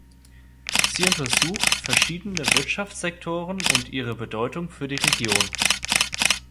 Sie untersucht verschiedene Wirtschaftssektoren und ihre Bedeutung für die Region.